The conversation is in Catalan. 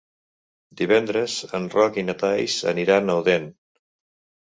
Divendres en Roc i na Thaís aniran a Odèn.